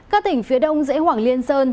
các tỉnh phía đông dễ hoảng liên sơn